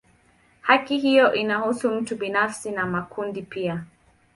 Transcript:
Haki hiyo inahusu mtu binafsi na makundi pia.